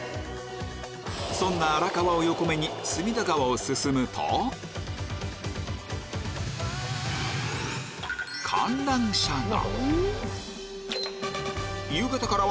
そんな荒川を横目に隅田川を進むと観覧車が！